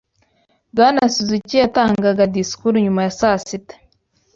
Bwana Suzuki yatangaga disikuru nyuma ya saa sita.